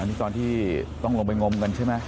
นี่ตอนที่ต้องลงไปงมกันใช่ไหม